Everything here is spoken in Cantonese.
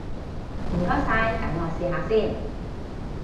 唔該晒，等我試下先！